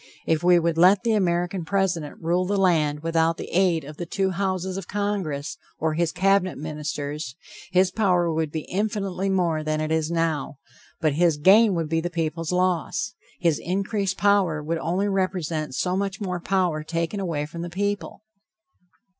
If we would let the American President rule the land without the aid of the two houses of congress or his cabinet ministers, his power would be infinitely more than it is now, but his gain would be the people's loss. His increased power would only represent so much more power taken away from the people.